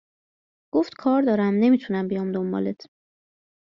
گفت کار دارم نمی تونم بیام دنبالت